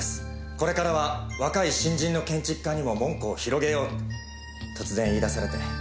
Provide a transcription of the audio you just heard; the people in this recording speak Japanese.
これからは若い新人の建築家にも門戸を広げようって突然言い出されて。